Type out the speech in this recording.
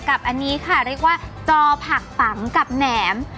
กับอันนี้ค่ะเรียกว่าจอผักปังกับแหนม